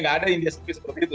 gak ada india seperti itu